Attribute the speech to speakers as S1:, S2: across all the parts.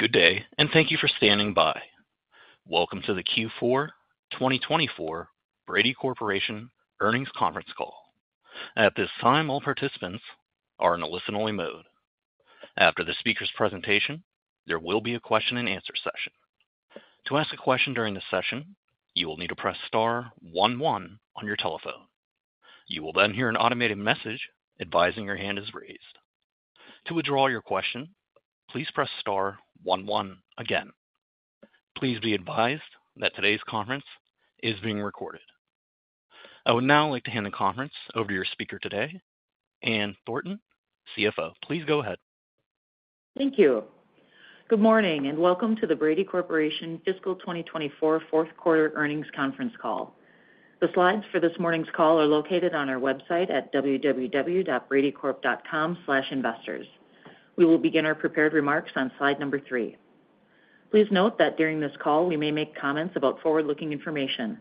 S1: Good day, and thank you for standing by. Welcome to the Q4 2024 Brady Corporation Earnings Conference Call. At this time, all participants are in a listen-only mode. After the speaker's presentation, there will be a question-and-answer session. To ask a question during the session, you will need to press star one one on your telephone. You will then hear an automated message advising your hand is raised. To withdraw your question, please press star one one again. Please be advised that today's conference is being recorded. I would now like to hand the conference over to your speaker today, Ann Thornton, CFO. Please go ahead.
S2: Thank you. Good morning, and welcome to the Brady Corporation Fiscal 2024 Fourth Quarter Earnings Conference Call. The slides for this morning's call are located on our website at www.bradycorp.com/investors. We will begin our prepared remarks on slide number three. Please note that during this call, we may make comments about forward-looking information.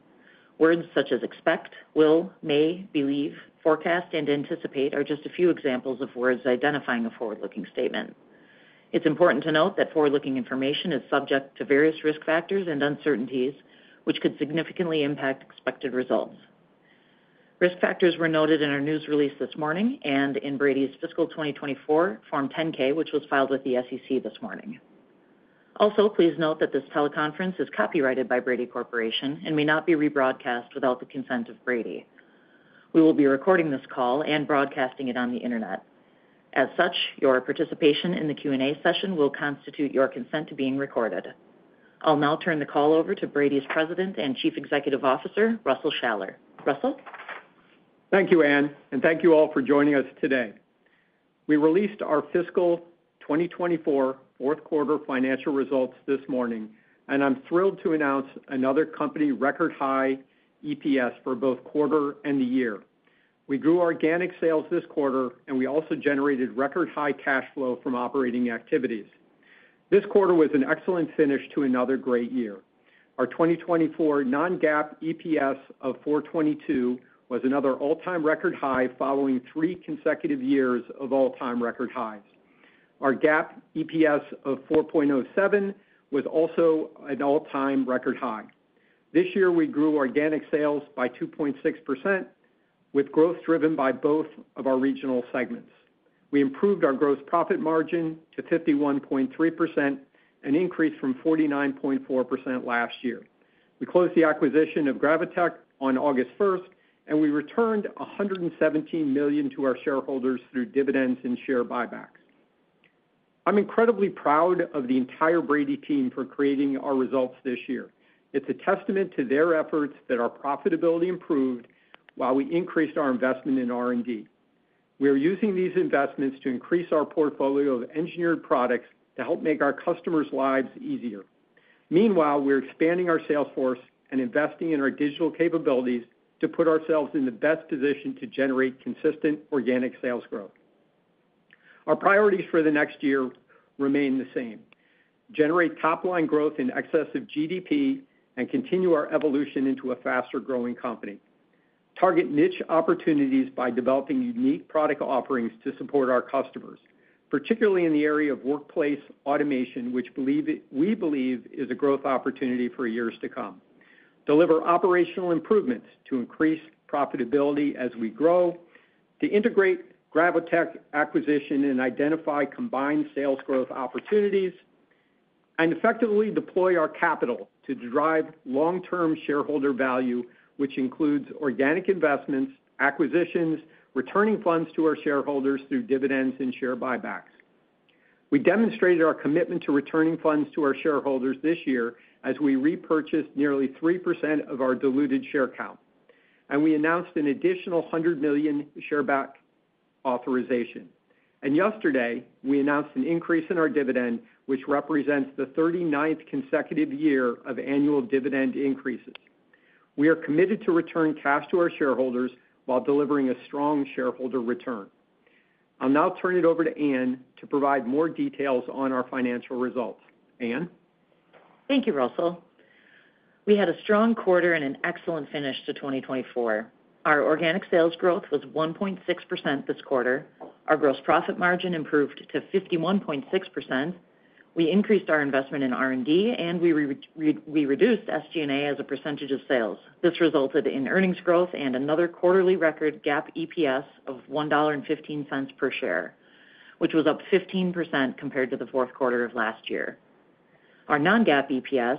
S2: Words such as expect, will, may, believe, forecast, and anticipate are just a few examples of words identifying a forward-looking statement. It's important to note that forward-looking information is subject to various risk factors and uncertainties, which could significantly impact expected results. Risk factors were noted in our news release this morning and in Brady's fiscal 2024 Form 10-K, which was filed with the SEC this morning. Also, please note that this teleconference is copyrighted by Brady Corporation and may not be rebroadcast without the consent of Brady. We will be recording this call and broadcasting it on the Internet. As such, your participation in the Q&A session will constitute your consent to being recorded. I'll now turn the call over to Brady's President and Chief Executive Officer, Russell Shaller. Russell?
S3: Thank you, Ann, and thank you all for joining us today. We released our fiscal 2024 fourth quarter financial results this morning, and I'm thrilled to announce another company record-high EPS for both quarter and the year. We grew organic sales this quarter, and we also generated record-high cash flow from operating activities. This quarter was an excellent finish to another great year. Our 2024 non-GAAP EPS of 4.22 was another all-time record high, following three consecutive years of all-time record highs. Our GAAP EPS of 4.07 was also an all-time record high. This year, we grew organic sales by 2.6%, with growth driven by both of our regional segments. We improved our gross profit margin to 51.3%, an increase from 49.4% last year. We closed the acquisition of Gravotech on August 1st, and we returned $117 million to our shareholders through dividends and share buybacks. I'm incredibly proud of the entire Brady team for creating our results this year. It's a testament to their efforts that our profitability improved while we increased our investment in R&D. We are using these investments to increase our portfolio of engineered products to help make our customers' lives easier. Meanwhile, we're expanding our sales force and investing in our digital capabilities to put ourselves in the best position to generate consistent organic sales growth. Our priorities for the next year remain the same: generate top-line growth in excess of GDP and continue our evolution into a faster-growing company. Target niche opportunities by developing unique product offerings to support our customers, particularly in the area of workplace automation, which we believe is a growth opportunity for years to come. Deliver operational improvements to increase profitability as we grow, to integrate Gravotech acquisition and identify combined sales growth opportunities, and effectively deploy our capital to drive long-term shareholder value, which includes organic investments, acquisitions, returning funds to our shareholders through dividends and share buybacks. We demonstrated our commitment to returning funds to our shareholders this year as we repurchased nearly 3% of our diluted share count, and we announced an additional 100 million share back authorization. Yesterday, we announced an increase in our dividend, which represents the thirty-ninth consecutive year of annual dividend increases. We are committed to return cash to our shareholders while delivering a strong shareholder return. I'll now turn it over to Ann to provide more details on our financial results. Ann?
S2: Thank you, Russell. We had a strong quarter and an excellent finish to 2024. Our organic sales growth was 1.6% this quarter. Our gross profit margin improved to 51.6%. We increased our investment in R&D, and we reduced SG&A as a percentage of sales. This resulted in earnings growth and another quarterly record GAAP EPS of $1.15 per share, which was up 15% compared to the fourth quarter of last year. Our non-GAAP EPS,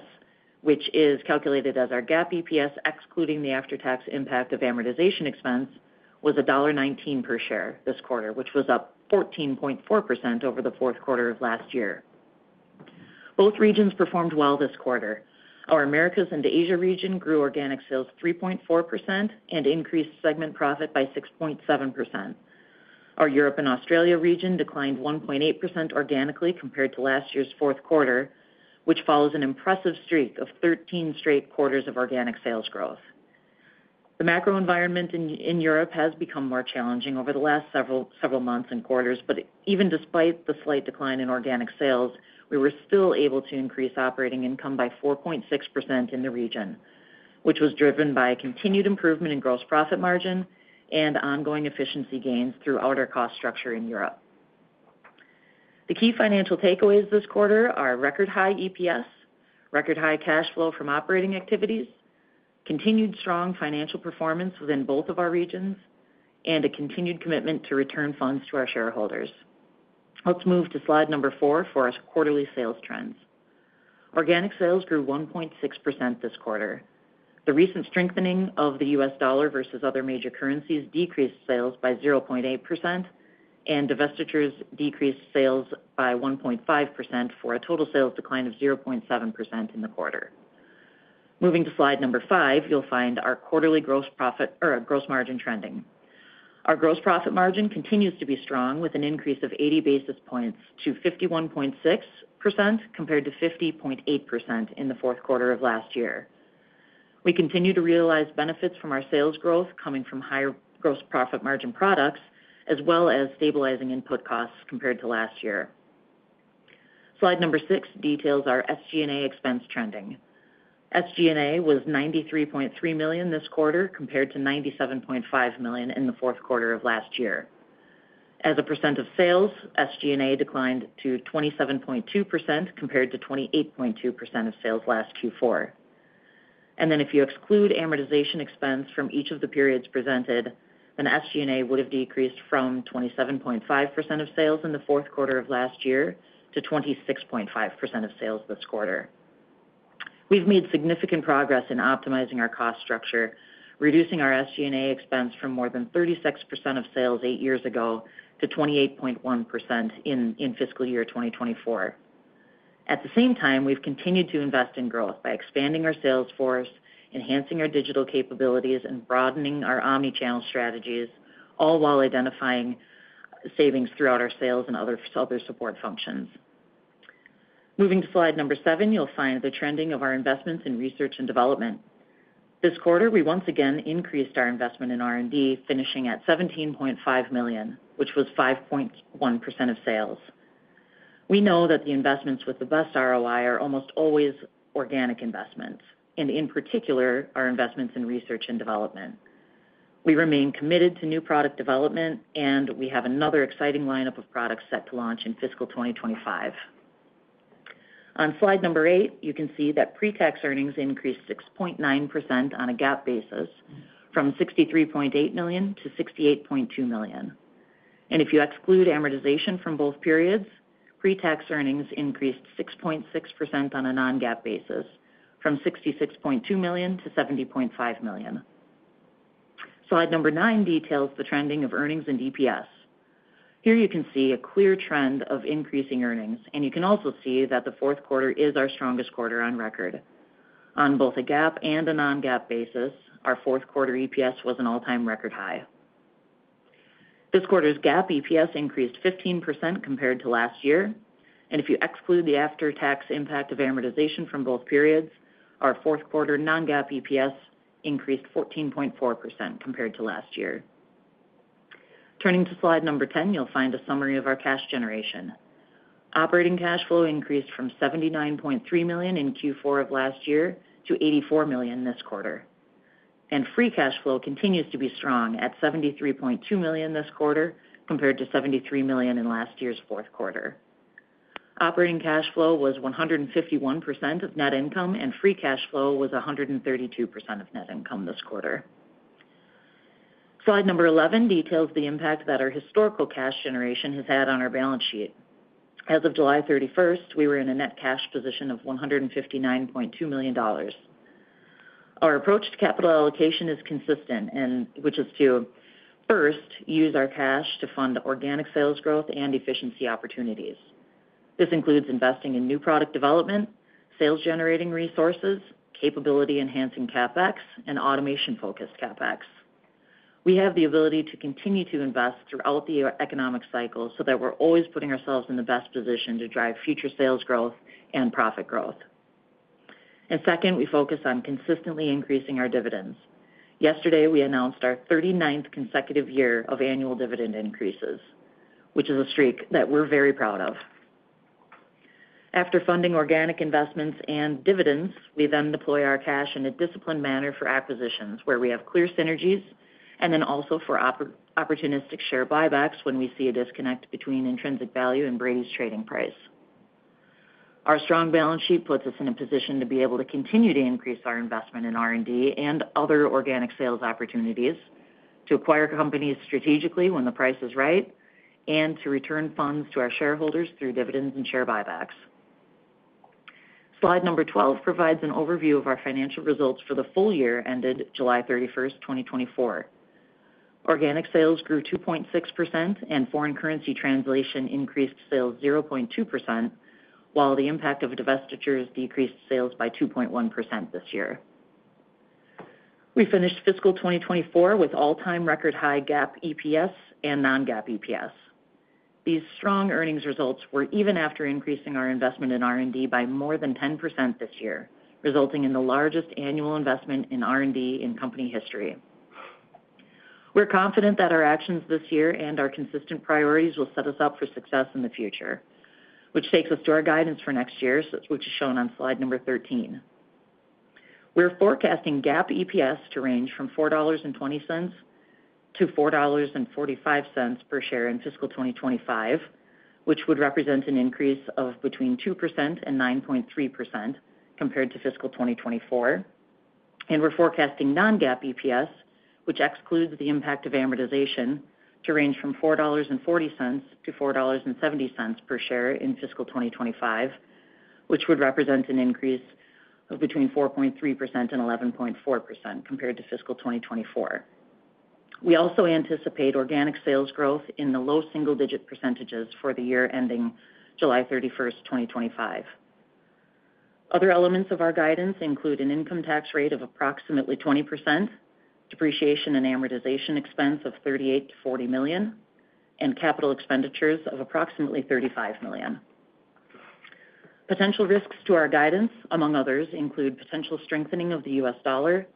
S2: which is calculated as our GAAP EPS, excluding the after-tax impact of amortization expense, was $1.19 per share this quarter, which was up 14.4% over the fourth quarter of last year. Both regions performed well this quarter. Our Americas and Asia region grew organic sales 3.4% and increased segment profit by 6.7%. Our Europe and Australia region declined 1.8% organically compared to last year's fourth quarter, which follows an impressive streak of 13 straight quarters of organic sales growth. The macro environment in Europe has become more challenging over the last several months and quarters, but even despite the slight decline in organic sales, we were still able to increase operating income by 4.6% in the region, which was driven by a continued improvement in gross profit margin and ongoing efficiency gains through our cost structure in Europe. The key financial takeaways this quarter are record high EPS, record high cash flow from operating activities, continued strong financial performance within both of our regions, and a continued commitment to return funds to our shareholders. Let's move to slide number four for our quarterly sales trends. Organic sales grew 1.6% this quarter. The recent strengthening of the U.S. dollar versus other major currencies decreased sales by 0.8%, and divestitures decreased sales by 1.5%, for a total sales decline of 0.7% in the quarter. Moving to slide number five, you'll find our quarterly gross profit or gross margin trending. Our gross profit margin continues to be strong, with an increase of 80 basis points to 51.6%, compared to 50.8% in the fourth quarter of last year. We continue to realize benefits from our sales growth coming from higher gross profit margin products, as well as stabilizing input costs compared to last year. Slide number six details our SG&A expense trending. SG&A was $93.3 million this quarter, compared to $97.5 million in the fourth quarter of last year. As a percent of sales, SG&A declined to 27.2%, compared to 28.2% of sales last Q4. And then, if you exclude amortization expense from each of the periods presented, then SG&A would have decreased from 27.5% of sales in the fourth quarter of last year to 26.5% of sales this quarter. We've made significant progress in optimizing our cost structure, reducing our SG&A expense from more than 36% of sales eight years ago to 28.1% in fiscal year 2024. At the same time, we've continued to invest in growth by expanding our sales force, enhancing our digital capabilities, and broadening our omni-channel strategies, all while identifying savings throughout our sales and other support functions. Moving to slide number seven, you'll find the trending of our investments in research and development. This quarter, we once again increased our investment in R&D, finishing at $17.5 million, which was 5.1% of sales. We know that the investments with the best ROI are almost always organic investments, and in particular, our investments in research and development. We remain committed to new product development, and we have another exciting lineup of products set to launch in fiscal 2025. On slide number eight, you can see that pre-tax earnings increased 6.9% on a GAAP basis, from $63.8 million-$68.2 million, and if you exclude amortization from both periods, pre-tax earnings increased 6.6% on a non-GAAP basis, from $66.2 million-$70.5 million. Slide number nine details the trending of earnings and EPS. Here, you can see a clear trend of increasing earnings, and you can also see that the fourth quarter is our strongest quarter on record. On both a GAAP and a non-GAAP basis, our fourth quarter EPS was an all-time record high. This quarter's GAAP EPS increased 15% compared to last year, and if you exclude the after-tax impact of amortization from both periods, our fourth quarter non-GAAP EPS increased 14.4% compared to last year. Turning to slide number 10, you'll find a summary of our cash generation. Operating cash flow increased from $79.3 million in Q4 of last year to $84 million this quarter. And free cash flow continues to be strong at $73.2 million this quarter, compared to $73 million in last year's fourth quarter. Operating cash flow was 151% of net income, and free cash flow was 132% of net income this quarter. Slide number 11 details the impact that our historical cash generation has had on our balance sheet. As of July 31st, we were in a net cash position of $159.2 million. Our approach to capital allocation is consistent, which is to first use our cash to fund organic sales growth and efficiency opportunities. This includes investing in new product development, sales-generating resources, capability-enhancing CapEx, and automation-focused CapEx. We have the ability to continue to invest throughout the economic cycle so that we're always putting ourselves in the best position to drive future sales growth and profit growth, and second, we focus on consistently increasing our dividends. Yesterday, we announced our 39th consecutive year of annual dividend increases, which is a streak that we're very proud of. After funding organic investments and dividends, we then deploy our cash in a disciplined manner for acquisitions where we have clear synergies, and then also for opportunistic share buybacks when we see a disconnect between intrinsic value and Brady's trading price. Our strong balance sheet puts us in a position to be able to continue to increase our investment in R&D and other organic sales opportunities, to acquire companies strategically when the price is right, and to return funds to our shareholders through dividends and share buybacks. Slide number 12 provides an overview of our financial results for the full year ended July 31st, 2024. Organic sales grew 2.6%, and foreign currency translation increased sales 0.2%, while the impact of divestitures decreased sales by 2.1% this year. We finished fiscal 2024 with all-time record high GAAP, EPS, and non-GAAP EPS. These strong earnings results were even after increasing our investment in R&D by more than 10% this year, resulting in the largest annual investment in R&D in company history. We're confident that our actions this year and our consistent priorities will set us up for success in the future, which takes us to our guidance for next year, which is shown on slide number 13. We're forecasting GAAP EPS to range from $4.20-$4.45 per share in fiscal 2025, which would represent an increase of between 2% and 9.3% compared to fiscal 2024. We're forecasting non-GAAP EPS, which excludes the impact of amortization, to range from $4.40-$4.70 per share in fiscal 2025, which would represent an increase of between 4.3% and 11.4% compared to fiscal 2024. We also anticipate organic sales growth in the low single-digit percentages for the year ending July 31st, 2025. Other elements of our guidance include an income tax rate of approximately 20%, depreciation and amortization expense of $38 million-$40 million, and capital expenditures of approximately $35 million. Potential risks to our guidance, among others, include potential strengthening of the U.S. dollar,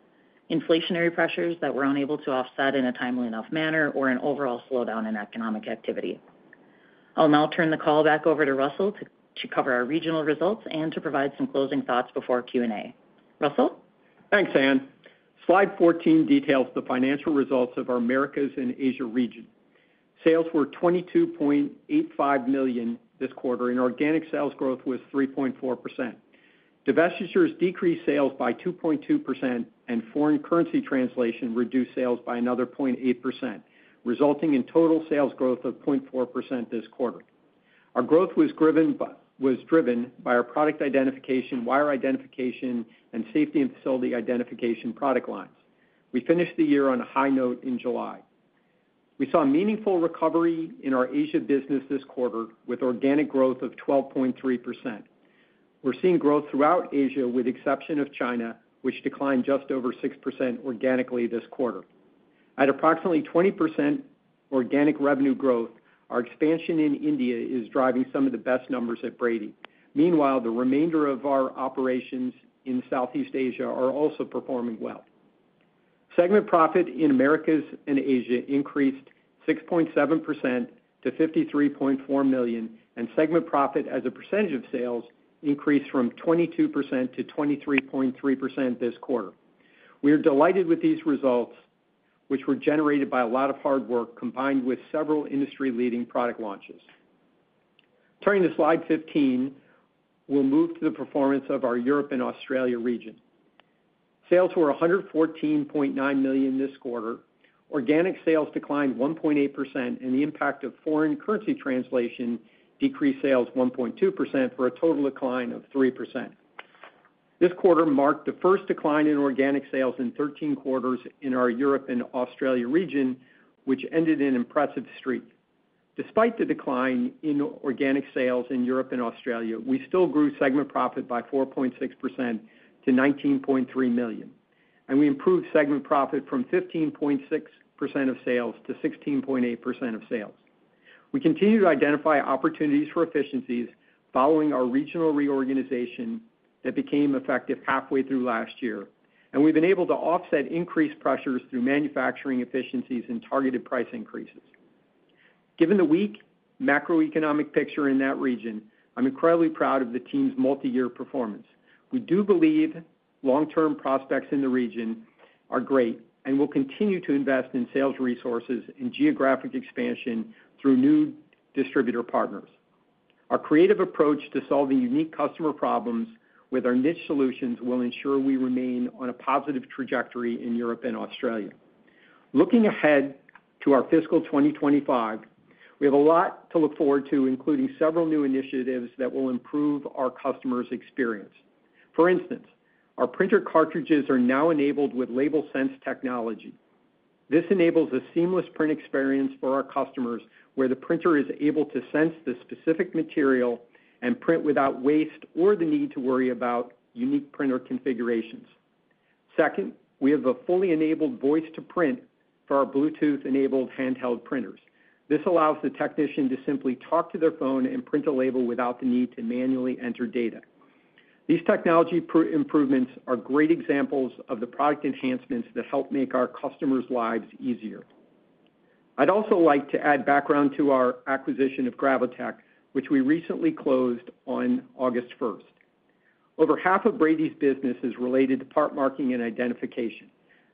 S2: inflationary pressures that we're unable to offset in a timely enough manner, or an overall slowdown in economic activity. I'll now turn the call back over to Russell to cover our regional results and to provide some closing thoughts before Q&A. Russell?
S3: Thanks, Ann. Slide fourteen details the financial results of our Americas and Asia region. Sales were $22.85 million this quarter, and organic sales growth was 3.4%. Divestitures decreased sales by 2.2%, and foreign currency translation reduced sales by another 0.8%, resulting in total sales growth of 0.4% this quarter. Our growth was driven by our product identification, wire identification, and safety and facility identification product lines. We finished the year on a high note in July. We saw a meaningful recovery in our Asia business this quarter, with organic growth of 12.3%. We're seeing growth throughout Asia, with the exception of China, which declined just over 6% organically this quarter. At approximately 20% organic revenue growth, our expansion in India is driving some of the best numbers at Brady. Meanwhile, the remainder of our operations in Southeast Asia are also performing well. Segment profit in Americas and Asia increased 6.7% to $53.4 million, and segment profit as a percentage of sales increased from 22%-23.3% this quarter. We are delighted with these results, which were generated by a lot of hard work, combined with several industry-leading product launches. Turning to slide 15, we'll move to the performance of our Europe and Australia region. Sales were $114.9 million this quarter. Organic sales declined 1.8%, and the impact of foreign currency translation decreased sales 1.2%, for a total decline of 3%. This quarter marked the first decline in organic sales in 13 quarters in our Europe and Australia region, which ended an impressive streak. Despite the decline in organic sales in Europe and Australia, we still grew segment profit by 4.6% to $19.3 million, and we improved segment profit from 15.6% of sales to 16.8% of sales. We continue to identify opportunities for efficiencies following our regional reorganization that became effective halfway through last year, and we've been able to offset increased pressures through manufacturing efficiencies and targeted price increases. Given the weak macroeconomic picture in that region, I'm incredibly proud of the team's multiyear performance. We do believe long-term prospects in the region are great and will continue to invest in sales resources and geographic expansion through new distributor partners. Our creative approach to solving unique customer problems with our niche solutions will ensure we remain on a positive trajectory in Europe and Australia. Looking ahead to our fiscal 2025, we have a lot to look forward to, including several new initiatives that will improve our customers' experience. For instance, our printer cartridges are now enabled with LabelSense technology. This enables a seamless print experience for our customers, where the printer is able to sense the specific material and print without waste or the need to worry about unique printer configurations. Second, we have a fully enabled voice-to-print for our Bluetooth-enabled handheld printers. This allows the technician to simply talk to their phone and print a label without the need to manually enter data. These technology improvements are great examples of the product enhancements that help make our customers' lives easier. I'd also like to add background to our acquisition of Gravotech, which we recently closed on August first. Over half of Brady's business is related to part marking and identification.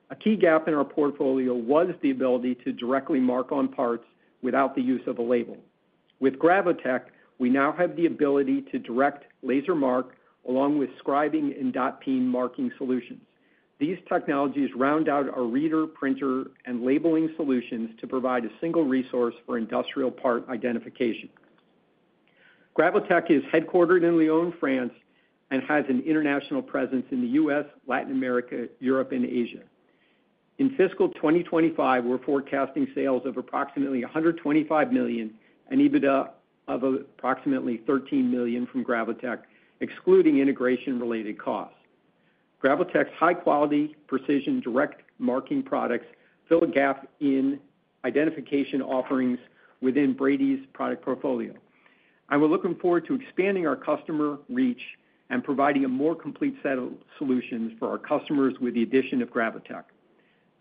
S3: A key gap in our portfolio was the ability to directly mark on parts without the use of a label. With Gravotech, we now have the ability to direct laser mark, along with scribing and dot peen marking solutions. These technologies round out our reader, printer, and labeling solutions to provide a single resource for industrial part identification. Gravotech is headquartered in Lyon, France, and has an international presence in the U.S., Latin America, Europe, and Asia. In fiscal 2025, we're forecasting sales of approximately $125 million and EBITDA of approximately $13 million from Gravotech, excluding integration-related costs. Gravotech's high-quality, precision, direct marking products fill a gap in identification offerings within Brady's product portfolio. I'm looking forward to expanding our customer reach and providing a more complete set of solutions for our customers with the addition of Gravotech.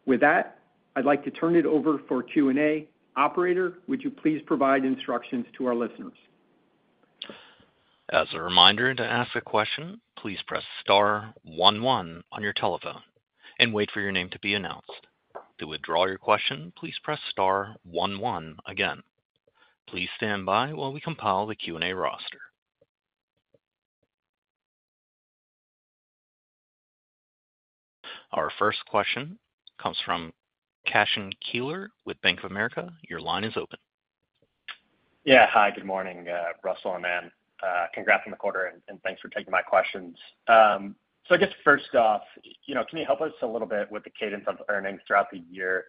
S3: With that, I'd like to turn it over for Q&A. Operator, would you please provide instructions to our listeners?
S1: As a reminder, to ask a question, please press star one one on your telephone and wait for your name to be announced. To withdraw your question, please press star one one again. Please stand by while we compile the Q&A roster. Our first question comes from Cashen Keeler with Bank of America. Your line is open.
S4: Yeah. Hi, good morning, Russell and Ann. Congrats on the quarter, and thanks for taking my questions. So I guess first off, you know, can you help us a little bit with the cadence of earnings throughout the year?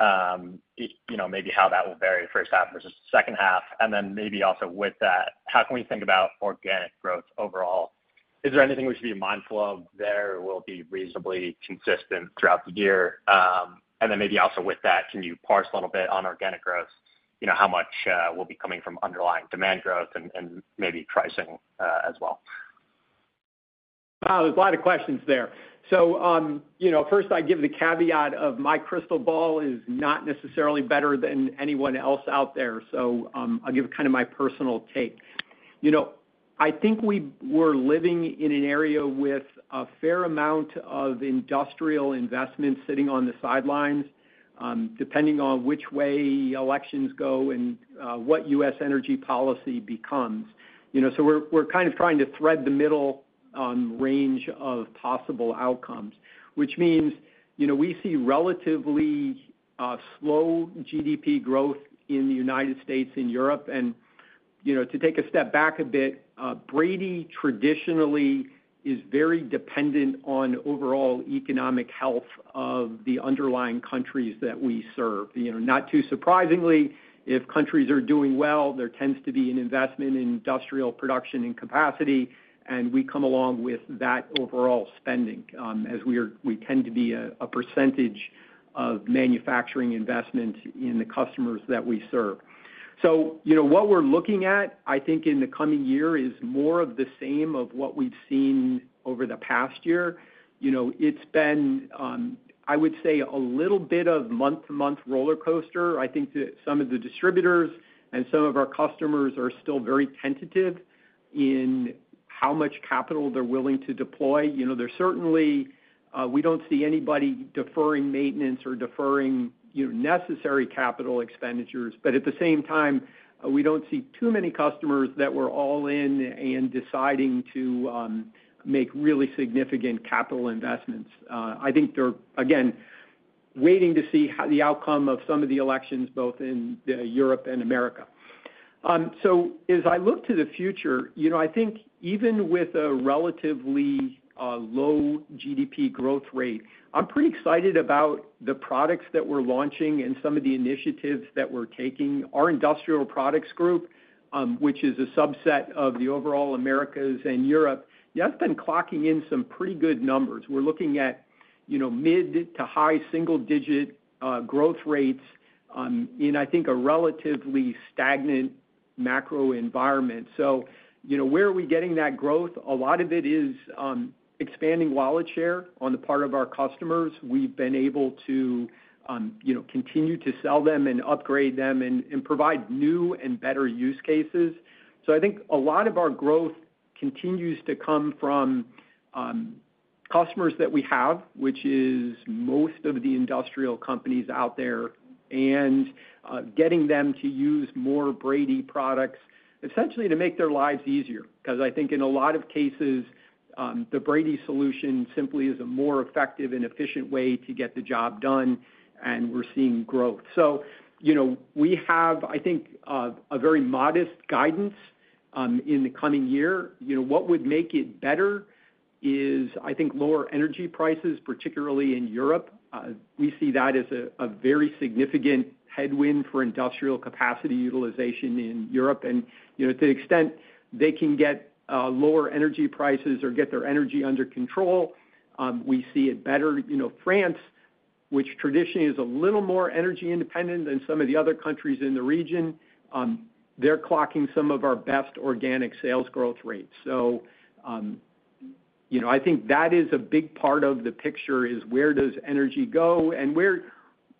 S4: You know, maybe how that will vary first half versus second half, and then maybe also with that, how can we think about organic growth overall? Is there anything we should be mindful of there, or will it be reasonably consistent throughout the year? And then maybe also with that, can you parse a little bit on organic growth, you know, how much will be coming from underlying demand growth and maybe pricing as well?
S3: Wow, there's a lot of questions there. So, you know, first, I give the caveat of my crystal ball is not necessarily better than anyone else out there. So, I'll give kind of my personal take. You know, I think we're living in an era with a fair amount of industrial investment sitting on the sidelines, depending on which way elections go and what U.S. energy policy becomes. You know, so we're kind of trying to thread the middle range of possible outcomes, which means, you know, we see relatively slow GDP growth in the United States and Europe. You know, to take a step back a bit, Brady traditionally is very dependent on overall economic health of the underlying countries that we serve. You know, not too surprisingly, if countries are doing well, there tends to be an investment in industrial production and capacity, and we come along with that overall spending, as we are. We tend to be a percentage of manufacturing investment in the customers that we serve. So, you know, what we're looking at, I think, in the coming year, is more of the same of what we've seen over the past year. You know, it's been, I would say, a little bit of month-to-month rollercoaster. I think that some of the distributors and some of our customers are still very tentative in how much capital they're willing to deploy. You know, there's certainly, we don't see anybody deferring maintenance or deferring, you know, necessary capital expenditures, but at the same time, we don't see too many customers that were all in and deciding to, make really significant capital investments. I think they're, again, waiting to see how the outcome of some of the elections, both in, Europe and America. So as I look to the future, you know, I think even with a relatively, low GDP growth rate, I'm pretty excited about the products that we're launching and some of the initiatives that we're taking. Our industrial products group, which is a subset of the overall Americas and Europe, that's been clocking in some pretty good numbers. We're looking at, you know, mid to high single digit, growth rates, in, I think, a relatively stagnant macro environment. So, you know, where are we getting that growth? A lot of it is expanding wallet share on the part of our customers. We've been able to, you know, continue to sell them and upgrade them and provide new and better use cases. So I think a lot of our growth continues to come from customers that we have, which is most of the industrial companies out there, and getting them to use more Brady products, essentially, to make their lives easier. Because I think in a lot of cases, the Brady solution simply is a more effective and efficient way to get the job done, and we're seeing growth. So, you know, we have, I think, a very modest guidance in the coming year. You know, what would make it better is, I think, lower energy prices, particularly in Europe. We see that as a very significant headwind for industrial capacity utilization in Europe. You know, to the extent they can get lower energy prices or get their energy under control, we see it better. You know, France, which traditionally is a little more energy independent than some of the other countries in the region, they're clocking some of our best organic sales growth rates. You know, I think that is a big part of the picture: Where does energy go, and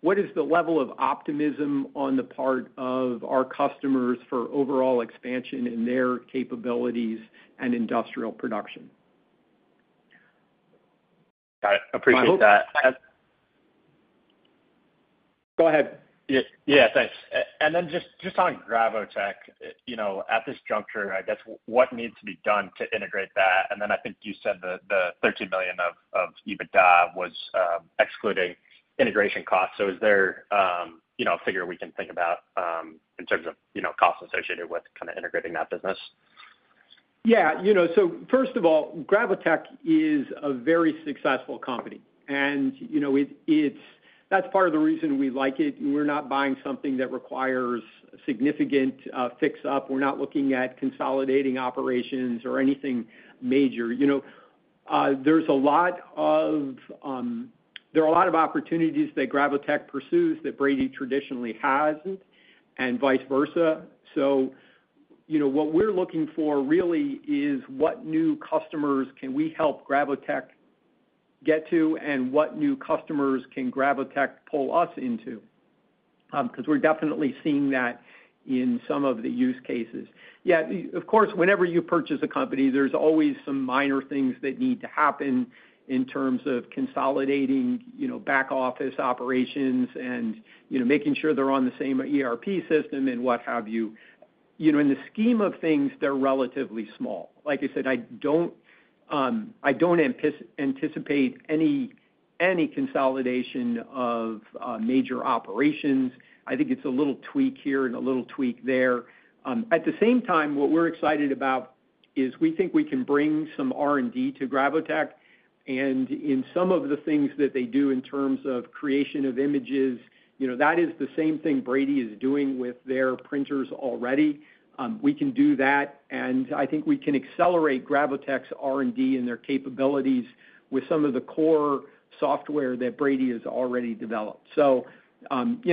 S3: what is the level of optimism on the part of our customers for overall expansion in their capabilities and industrial production?
S4: I appreciate that.
S3: Go ahead.
S4: Yeah, thanks. And then just on Gravotech, you know, at this juncture, I guess, what needs to be done to integrate that? And then I think you said the $13 million of EBITDA was excluding integration costs. So is there, you know, a figure we can think about in terms of, you know, costs associated with kind of integrating that business?
S3: Yeah. You know, so first of all, Gravotech is a very successful company, and you know, it, it's that's part of the reason we like it. We're not buying something that requires significant fix-up. We're not looking at consolidating operations or anything major. You know, there's a lot of. There are a lot of opportunities that Gravotech pursues that Brady traditionally hasn't, and vice versa. So, you know, what we're looking for really is what new customers can we help Gravotech get to and what new customers can Gravotech pull us into? 'Cause we're definitely seeing that in some of the use cases. Yeah, of course, whenever you purchase a company, there's always some minor things that need to happen in terms of consolidating, you know, back office operations and, you know, making sure they're on the same ERP system and what have you. You know, in the scheme of things, they're relatively small. Like I said, I don't anticipate any consolidation of major operations. I think it's a little tweak here and a little tweak there. At the same time, what we're excited about is we think we can bring some R&D to Gravotech, and in some of the things that they do in terms of creation of images, you know, that is the same thing Brady is doing with their printers already. We can do that, and I think we can accelerate Gravotech's R&D and their capabilities with some of the core software that Brady has already developed. You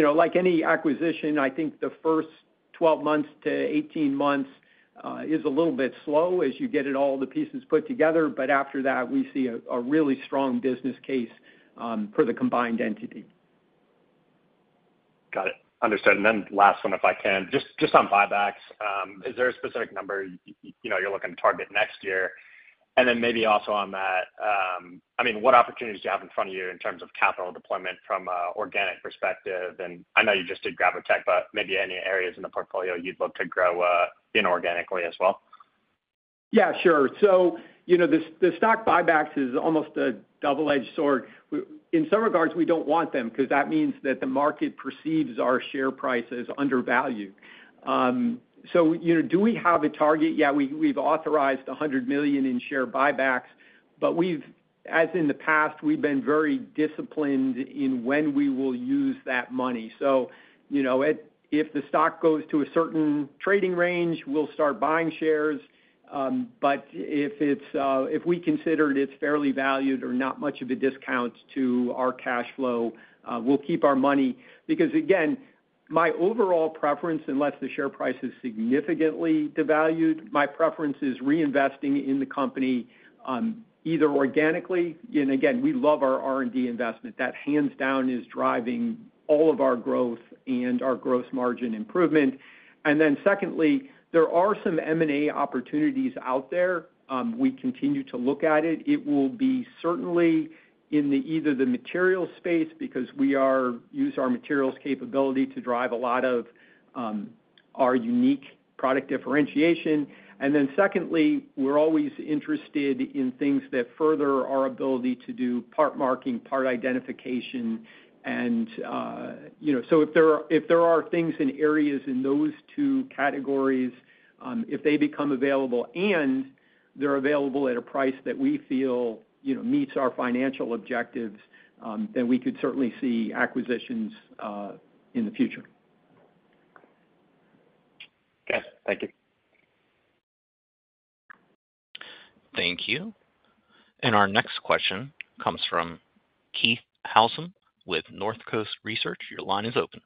S3: know, like any acquisition, I think the first 12 months to 18 months is a little bit slow as you get it, all the pieces put together, but after that, we see a really strong business case for the combined entity.
S4: Got it. Understood. And then last one, if I can. Just on buybacks, is there a specific number, you know, you're looking to target next year? And then maybe also on that, I mean, what opportunities do you have in front of you in terms of capital deployment from organic perspective? And I know you just did Gravotech, but maybe any areas in the portfolio you'd look to grow inorganically as well.
S3: Yeah, sure. So, you know, the stock buybacks is almost a double-edged sword. In some regards, we don't want them, 'cause that means that the market perceives our share price as undervalued. So, you know, do we have a target? Yeah, we've authorized $100 million in share buybacks, but as in the past, we've been very disciplined in when we will use that money. So, you know, if the stock goes to a certain trading range, we'll start buying shares, but if it's, if we consider it, it's fairly valued or not much of a discount to our cash flow, we'll keep our money. Because, again, my overall preference, unless the share price is significantly devalued, my preference is reinvesting in the company, either organically, and again, we love our R&D investment. That, hands down, is driving all of our growth and our gross margin improvement. And then secondly, there are some M&A opportunities out there. We continue to look at it. It will be certainly in the, either the material space, because we use our materials capability to drive a lot of our unique product differentiation. And then secondly, we're always interested in things that further our ability to do part marking, part identification, and you know. So if there are things in areas in those two categories, if they become available and they're available at a price that we feel, you know, meets our financial objectives, then we could certainly see acquisitions in the future.
S4: Okay. Thank you.
S1: Thank you. And our next question comes from Keith Housum with North Coast Research. Your line is open.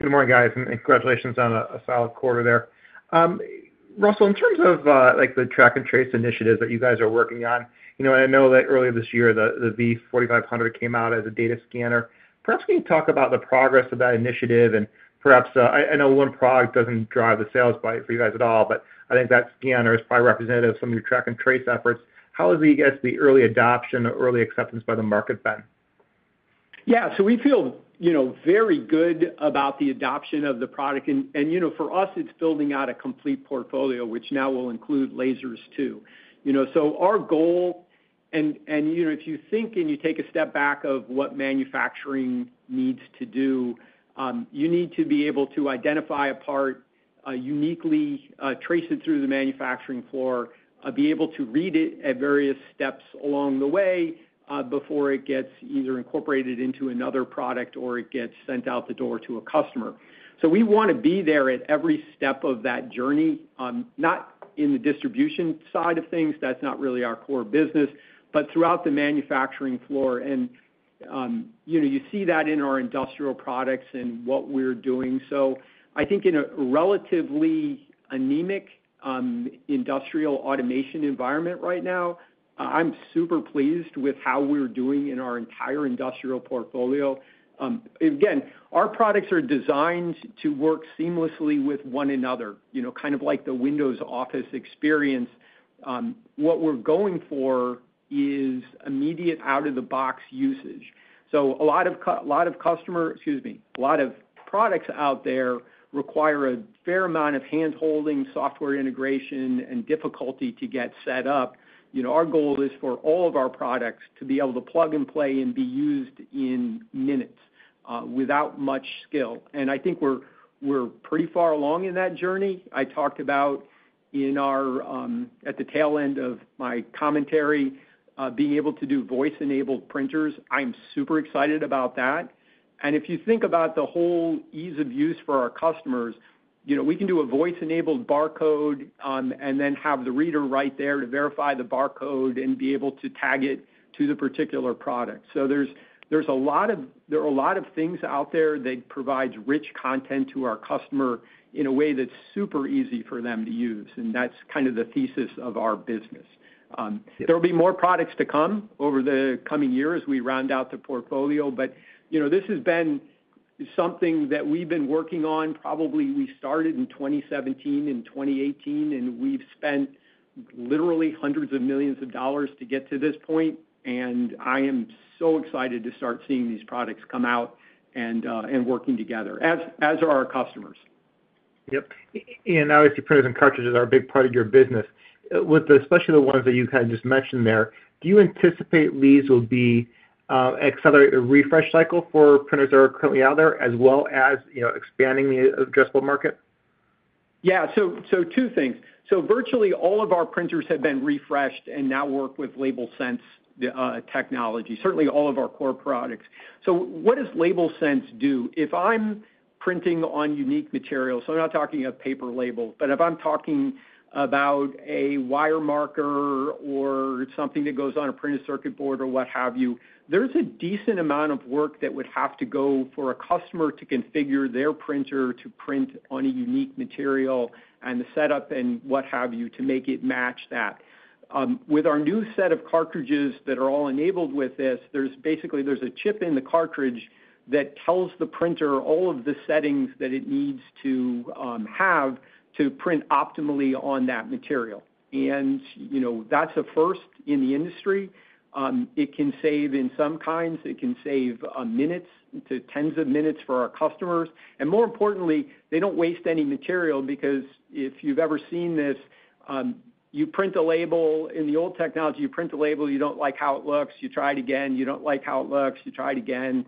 S5: Good morning, guys, and congratulations on a solid quarter there. Russell, in terms of, like, the track and trace initiatives that you guys are working on, you know, and I know that earlier this year, the V4500 came out as a data scanner. Perhaps can you talk about the progress of that initiative and perhaps... I know one product doesn't drive the sales for you guys at all, but I think that scanner is probably representative of some of your track and trace efforts. How has the, I guess, the early adoption or early acceptance by the market been?
S3: Yeah, so we feel, you know, very good about the adoption of the product, and, you know, for us, it's building out a complete portfolio, which now will include lasers, too. You know, so our goal, you know, if you think and you take a step back of what manufacturing needs to do, you need to be able to identify a part uniquely, trace it through the manufacturing floor, be able to read it at various steps along the way, before it gets either incorporated into another product or it gets sent out the door to a customer. So we want to be there at every step of that journey, not in the distribution side of things, that's not really our core business, but throughout the manufacturing floor. You know, you see that in our industrial products and what we're doing. So I think in a relatively anemic industrial automation environment right now, I'm super pleased with how we're doing in our entire industrial portfolio. Again, our products are designed to work seamlessly with one another, you know, kind of like the Windows Office experience. What we're going for is immediate out-of-the-box usage. So a lot of customer, excuse me, a lot of products out there require a fair amount of hand-holding, software integration, and difficulty to get set up. You know, our goal is for all of our products to be able to plug and play and be used in minutes without much skill. And I think we're pretty far along in that journey. I talked about in our, at the tail end of my commentary, being able to do voice-enabled printers. I'm super excited about that. And if you think about the whole ease of use for our customers, you know, we can do a voice-enabled barcode, and then have the reader right there to verify the barcode and be able to tag it to the particular product. So there are a lot of things out there that provides rich content to our customer in a way that's super easy for them to use, and that's kind of the thesis of our business. There'll be more products to come over the coming years as we round out the portfolio, but, you know, this has been is something that we've been working on, probably we started in 2017 and 2018, and we've spent literally hundreds of millions of dollars to get to this point. And I am so excited to start seeing these products come out and working together, as are our customers.
S5: Yep. And obviously, printers and cartridges are a big part of your business. With the, especially the ones that you kind of just mentioned there, do you anticipate these will be, accelerate a refresh cycle for printers that are currently out there, as well as, you know, expanding the addressable market?
S3: Yeah. So, two things. Virtually all of our printers have been refreshed and now work with LabelSense technology, certainly all of our core products. What does LabelSense do? If I'm printing on unique materials, so I'm not talking a paper label, but if I'm talking about a wire marker or something that goes on a printed circuit board or what have you, there's a decent amount of work that would have to go for a customer to configure their printer to print on a unique material and the setup and what have you to make it match that. With our new set of cartridges that are all enabled with this, there's basically a chip in the cartridge that tells the printer all of the settings that it needs to have to print optimally on that material. And, you know, that's a first in the industry. It can save, in some kinds, minutes to tens of minutes for our customers. And more importantly, they don't waste any material because if you've ever seen this, you print a label. In the old technology, you print a label, you don't like how it looks, you try it again, you don't like how it looks, you try it again.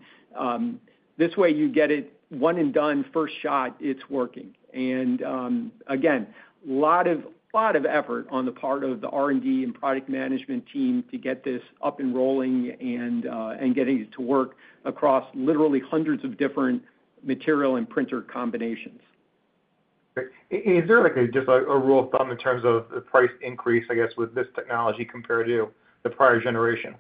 S3: This way, you get it one and done, first shot, it's working. And, again, lot of effort on the part of the R&D and product management team to get this up and rolling and getting it to work across literally hundreds of different material and printer combinations.
S5: Great. Is there, like, just a rule of thumb in terms of the price increase, I guess, with this technology compared to the prior generation?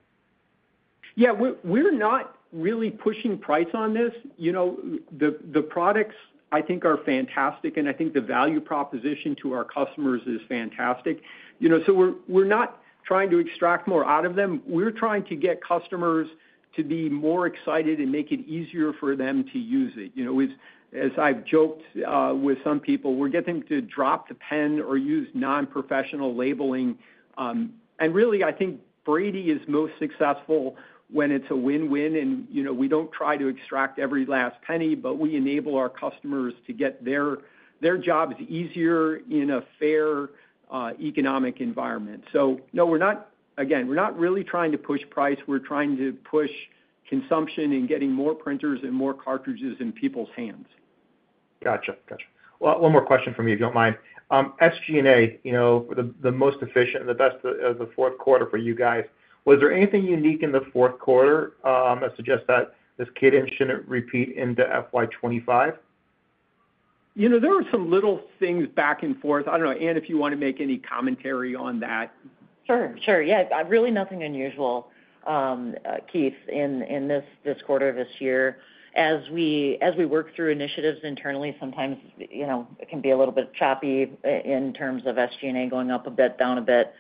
S3: Yeah, we're not really pushing price on this. You know, the products, I think, are fantastic, and I think the value proposition to our customers is fantastic. You know, so we're not trying to extract more out of them. We're trying to get customers to be more excited and make it easier for them to use it. You know, as I've joked with some people, we're getting to drop the pen or use non-professional labeling. And really, I think Brady is most successful when it's a win-win, and, you know, we don't try to extract every last penny, but we enable our customers to get their jobs easier in a fair economic environment. So no, we're not again, we're not really trying to push price. We're trying to push consumption and getting more printers and more cartridges in people's hands.
S5: Gotcha. Gotcha. Well, one more question from me, if you don't mind. SG&A, you know, the most efficient, the best of the fourth quarter for you guys. Was there anything unique in the fourth quarter, that suggests that this cadence shouldn't repeat into FY 2025?
S3: You know, there were some little things back and forth. I don't know, Ann, if you want to make any commentary on that.
S2: Sure, sure. Yeah, really nothing unusual, Keith, in this quarter, this year. As we work through initiatives internally, sometimes, you know, it can be a little bit choppy in terms of SG&A going up a bit, down a bit.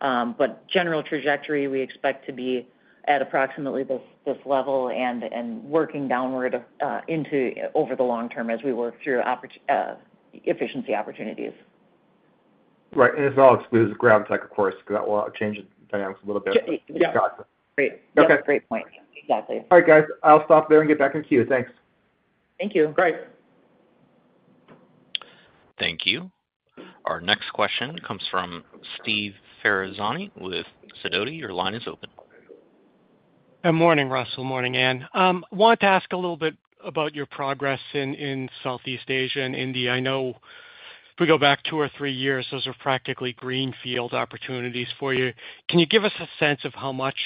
S2: But general trajectory, we expect to be at approximately this level and working downward over the long term as we work through efficiency opportunities.
S5: Right. And this all excludes Gravotech, of course, because that will change the dynamics a little bit.
S3: Yeah.
S5: Got it.
S2: Great.
S5: Okay.
S2: Great point. Exactly.
S5: All right, guys. I'll stop there and get back in queue. Thanks.
S2: Thank you.
S3: Great.
S1: Thank you. Our next question comes from Steve Ferazani with Sidoti. Your line is open.
S6: Good morning, Russell. Morning, Ann. Wanted to ask a little bit about your progress in Southeast Asia and India. I know if we go back two or three years, those are practically greenfield opportunities for you. Can you give us a sense of how much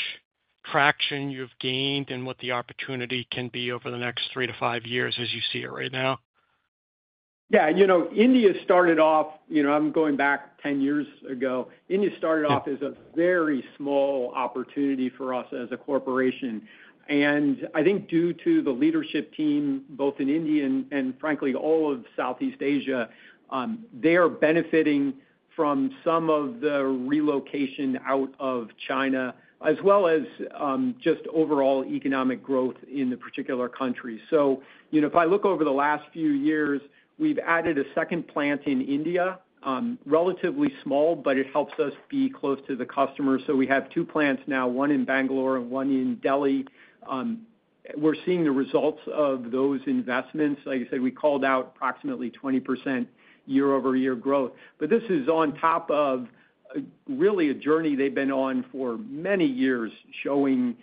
S6: traction you've gained and what the opportunity can be over the next three to five years as you see it right now?
S3: Yeah, you know, India started off, you know. I'm going back 10 years ago. India started off as a very small opportunity for us as a corporation. And I think due to the leadership team, both in India and frankly all of Southeast Asia, they are benefiting from some of the relocation out of China, as well as just overall economic growth in the particular country. So you know, if I look over the last few years, we've added a second plant in India, relatively small, but it helps us be close to the customer. So we have two plants now, one in Bangalore and one in Delhi. We're seeing the results of those investments. Like I said, we called out approximately 20% year-over-year growth. But this is on top of really a journey they've been on for many years, showing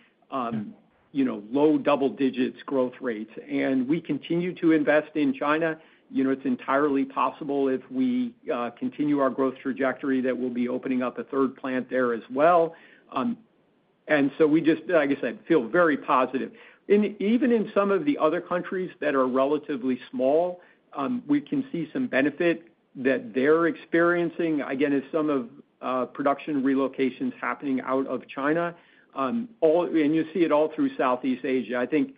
S3: you know low double digits growth rates. And we continue to invest in China. You know, it's entirely possible if we continue our growth trajectory, that we'll be opening up a third plant there as well, and so we just, like I said, feel very positive. Even in some of the other countries that are relatively small, we can see some benefit that they're experiencing, again, as some of production relocations happening out of China. And you see it all through Southeast Asia. I think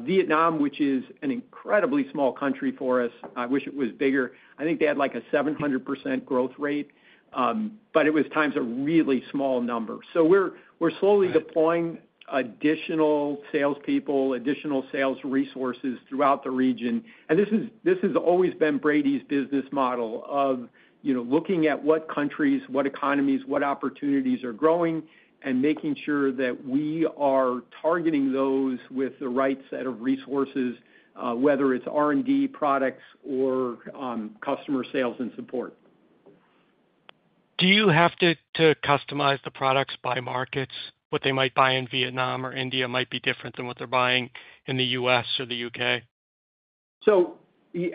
S3: Vietnam, which is an incredibly small country for us. I wish it was bigger. I think they had, like, a 700% growth rate, but it was times a really small number. So we're slowly deploying additional salespeople, additional sales resources throughout the region. This has always been Brady's business model of, you know, looking at what countries, what economies, what opportunities are growing, and making sure that we are targeting those with the right set of resources, whether it's R&D, products, or customer sales and support.
S6: Do you have to customize the products by markets? What they might buy in Vietnam or India might be different than what they're buying in the U.S. or the U.K.?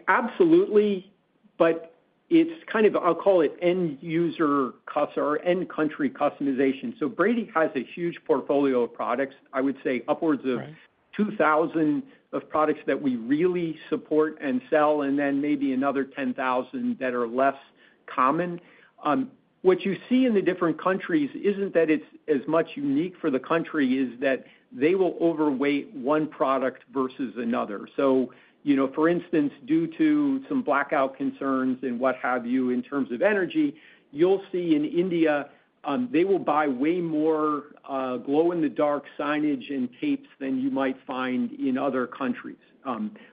S3: Absolutely, but it's kind of. I'll call it end user or end country customization. So Brady has a huge portfolio of products, I would say upwards of two thousand of products that we really support and sell, and then maybe another ten thousand that are less common. What you see in the different countries isn't that it's as much unique for the country, is that they will overweight one product versus another. So, you know, for instance, due to some blackout concerns and what have you, in terms of energy, you'll see in India, they will buy way more, glow-in-the-dark signage and tapes than you might find in other countries.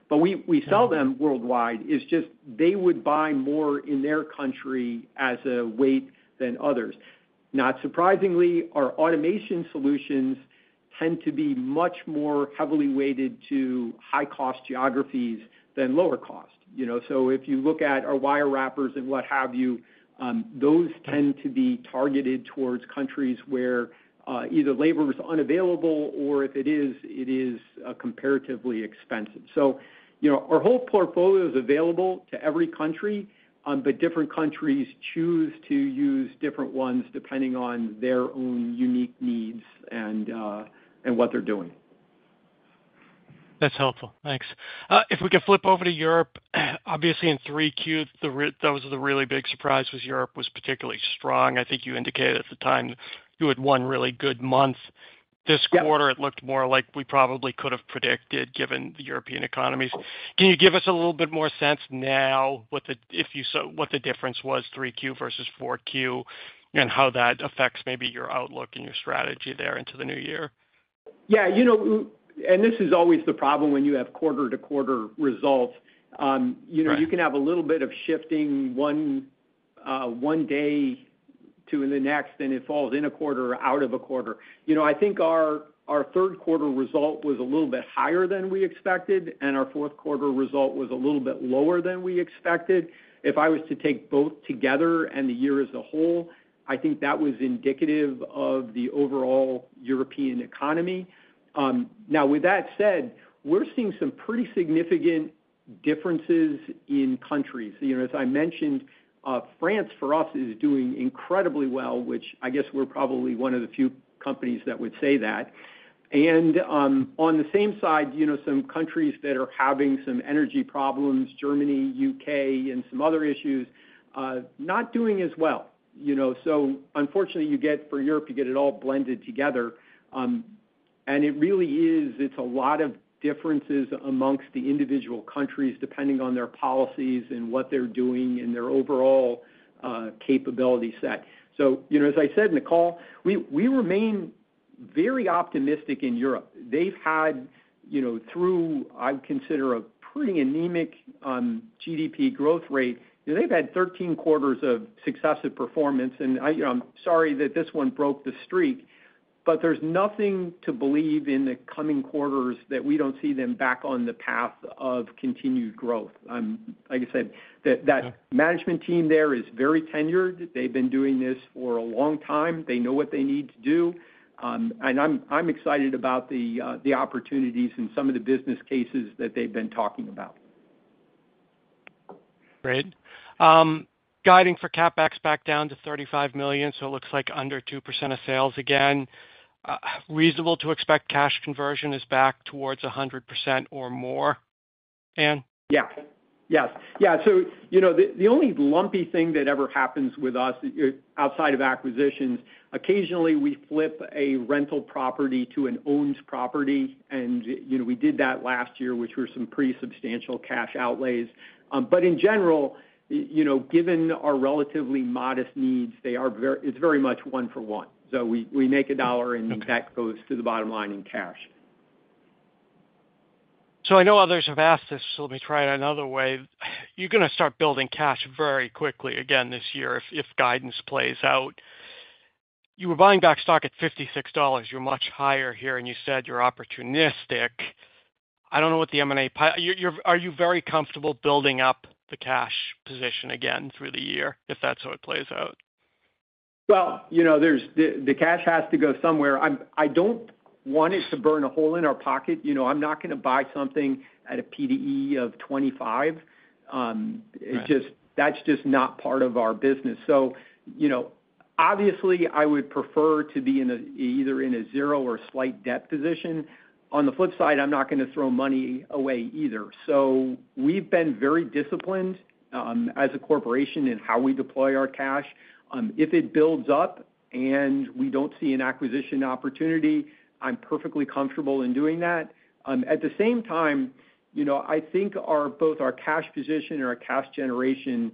S3: But we, we sell them worldwide. It's just they would buy more in their country as a weight than others. Not surprisingly, our automation solutions tend to be much more heavily weighted to high-cost geographies than lower cost. You know, so if you look at our wire wrappers and what have you, those tend to be targeted towards countries where either labor is unavailable, or if it is, comparatively expensive. So, you know, our whole portfolio is available to every country, but different countries choose to use different ones, depending on their own unique needs and what they're doing.
S6: That's helpful. Thanks. If we could flip over to Europe, obviously in 3Q, the real big surprise was Europe was particularly strong. I think you indicated at the time you had one really good month.
S3: Yeah.
S6: This quarter, it looked more like we probably could have predicted, given the European economies. Can you give us a little bit more sense now, what the difference was, 3Q versus 4Q, and how that affects maybe your outlook and your strategy there into the new year?
S3: Yeah, you know, and this is always the problem when you have quarter-to-quarter results.
S6: Right.
S3: You know, you can have a little bit of shifting one day to in the next, and it falls in a quarter or out of a quarter. You know, I think our third quarter result was a little bit higher than we expected, and our fourth quarter result was a little bit lower than we expected. If I was to take both together and the year as a whole, I think that was indicative of the overall European economy. Now, with that said, we're seeing some pretty significant differences in countries. You know, as I mentioned, France, for us, is doing incredibly well, which I guess we're probably one of the few companies that would say that. On the same side, you know, some countries that are having some energy problems, Germany, UK, and some other issues, not doing as well, you know? Unfortunately, you get, for Europe, you get it all blended together. It really is, it's a lot of differences among the individual countries, depending on their policies and what they're doing and their overall, capability set. You know, as I said in the call, we, we remain very optimistic in Europe. They've had, you know, through, I would consider a pretty anemic, GDP growth rate. They've had 13 quarters of successive performance, and I, you know, I'm sorry that this one broke the streak, but there's nothing to believe in the coming quarters that we don't see them back on the path of continued growth. Like I said, that-that management team there is very tenured. They've been doing this for a long time. They know what they need to do. And I'm excited about the opportunities and some of the business cases that they've been talking about.
S6: Great. Guiding for CapEx back down to $35 million, so it looks like under 2% of sales again. Reasonable to expect cash conversion is back towards 100% or more, than?
S3: Yeah. Yes. Yeah, so you know, the only lumpy thing that ever happens with us outside of acquisitions. Occasionally we flip a rental property to an owned property, and you know, we did that last year, which were some pretty substantial cash outlays. But in general, you know, given our relatively modest needs, they are very much one for one. So we make a dollar, and that goes to the bottom line in cash.
S6: So I know others have asked this, so let me try it another way. You're gonna start building cash very quickly again this year if guidance plays out. You were buying back stock at $56. You're much higher here, and you said you're opportunistic. I don't know what the M&A pipeline are you very comfortable building up the cash position again through the year, if that's how it plays out?
S3: You know, there's the cash has to go somewhere. I don't want it to burn a hole in our pocket. You know, I'm not gonna buy something at a P/E of 2025.
S6: Right.
S3: It's just not part of our business. So, you know, obviously, I would prefer to be in either a zero or slight debt position. On the flip side, I'm not gonna throw money away either. So we've been very disciplined as a corporation in how we deploy our cash. If it builds up and we don't see an acquisition opportunity, I'm perfectly comfortable in doing that. At the same time, you know, I think both our cash position and our cash generation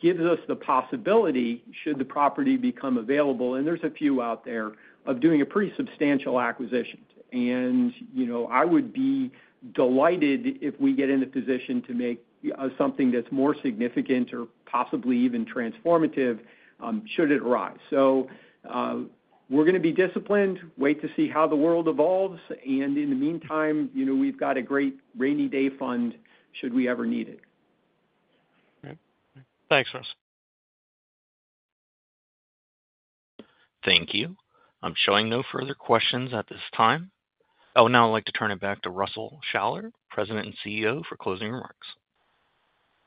S3: gives us the possibility, should the property become available, and there's a few out there, of doing a pretty substantial acquisition. You know, I would be delighted if we get in a position to make something that's more significant or possibly even transformative, should it arise. So, we're gonna be disciplined, wait to see how the world evolves, and in the meantime, you know, we've got a great rainy day fund, should we ever need it.
S6: Okay. Thanks, Russ.
S1: Thank you. I'm showing no further questions at this time. I would now like to turn it back to Russell Shaller, President and CEO, for closing remarks.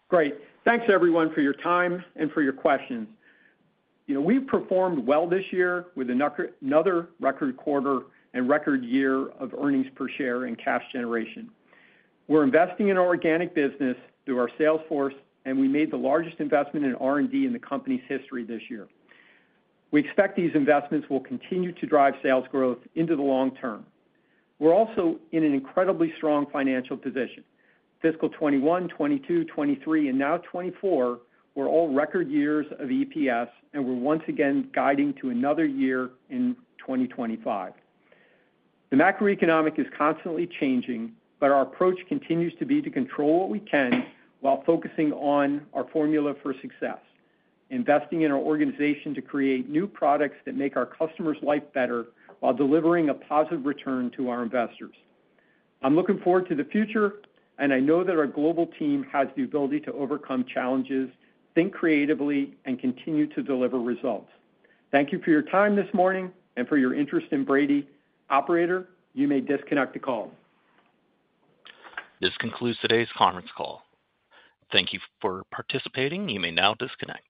S3: Great. Thanks, everyone, for your time and for your questions. You know, we've performed well this year with another, another record quarter and record year of earnings per share and cash generation. We're investing in organic business through our sales force, and we made the largest investment in R&D in the company's history this year. We expect these investments will continue to drive sales growth into the long term. We're also in an incredibly strong financial position. Fiscal 2021, 2022, 2023, and now 2024 were all record years of EPS, and we're once again guiding to another year in 2025. The macroeconomic is constantly changing, but our approach continues to be to control what we can while focusing on our formula for success: investing in our organization to create new products that make our customers' life better while delivering a positive return to our investors. I'm looking forward to the future, and I know that our global team has the ability to overcome challenges, think creatively, and continue to deliver results. Thank you for your time this morning and for your interest in Brady. Operator, you may disconnect the call.
S1: This concludes today's conference call. Thank you for participating. You may now disconnect.